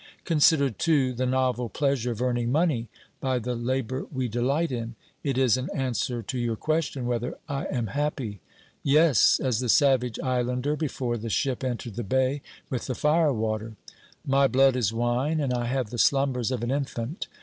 Consider, too, the novel pleasure of earning money by the labour we delight in. It is an answer to your question whether I am happy. Yes, as the savage islander before the ship entered the bay with the fire water. My blood is wine, and I have the slumbers of an infant.